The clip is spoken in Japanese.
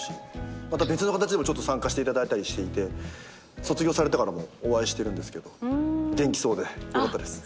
また別の形でも参加していただいたりしていて卒業されてからもお会いしてるんですけど元気そうでよかったです。